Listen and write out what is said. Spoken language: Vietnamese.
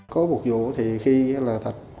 có một vụ thì khi là